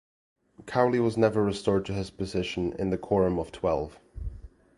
Cowley was never restored to his position in the Quorum of Twelve.